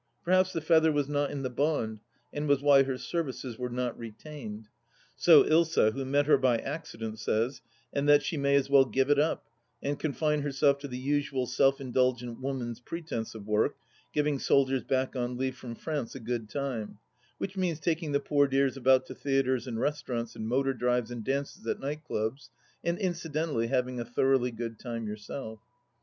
Perhaps the feather was not in the bond and was why her services were not retained, so Ilsa, who met her by accident, says, and that she may as well give it up, and confine herself to the usual self indulgent woman's pretence of work, giving soldiers back on leave from France a good time, which means taking the poor dears about to theatres and restaurants and motor drives and dances at night clubs, and incidentally having a thoroughly good time yourself.